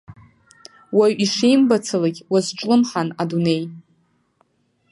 Уаҩ ишимбацалагь уазҿлымҳан адунеи.